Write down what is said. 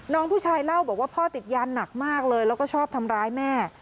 น้องผู้ชายเล่าบอกว่าพ่อติดยาหนักมากเลยแล้วก็ชอบทำร้ายแม่